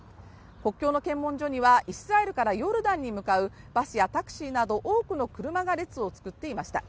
国境の検問所にはイスラエルからヨルダンに向かうバスやタクシーなど多くの車が列を作っていました。